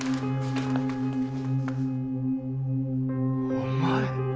お前。